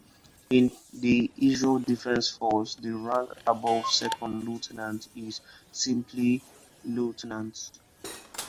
In the Israel Defense Forces, the rank above second lieutenant is simply lieutenant.